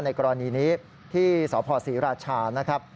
กรณีนี้ที่สพศรีราชานะครับ